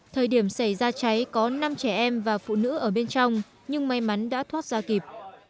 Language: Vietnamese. thời điểm xảy ra cháy có năm trẻ em và phụ nữ ở bên trong nhưng may mắn đã thoát ra kịp